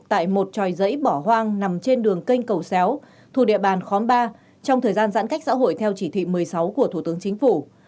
tại một tròi giấy bỏ hoang nằm trên đường kênh cầu xéo thuộc địa bàn khóm ba trong thời gian giãn cách xã hội theo chỉ thị một mươi sáu của thủ tướng chính phủ